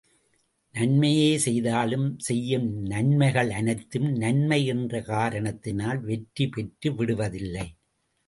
நன்மையே செய்தாலும் செய்யும் நன்மைகளனைத்தும் நன்மை என்ற காரணத்தினால் வெற்றி பெற்று விடுவதில்லை.